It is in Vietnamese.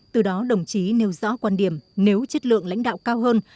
từ đó đồng chí nêu rõ quan điểm nếu chất lượng lãnh đạo cao hơn